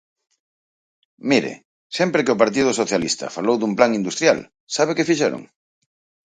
Mire, sempre que o Partido Socialista falou dun plan industrial, ¿sabe que fixeron?